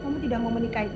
kamu tidak mau menikahiku